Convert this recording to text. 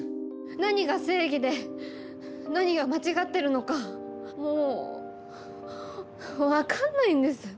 何が正義で何が間違ってるのかもう分かんないんです。